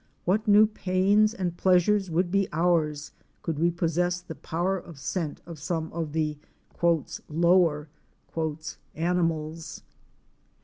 What new pains and pleasures would be ours could we possess the power of scent of some of the "lower" animals!